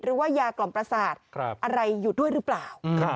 ว่ายากล่อมประสาทอะไรอยู่ด้วยหรือเปล่า